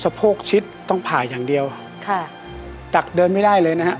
โพกชิดต้องผ่าอย่างเดียวค่ะตักเดินไม่ได้เลยนะฮะ